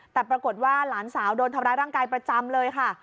แต่ปรากฏว่าหลานสาวโดนทำร้ายร่างกายประจำเลยค่ะ